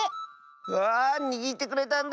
うわあにぎってくれたんだ！